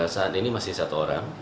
saat ini masih satu orang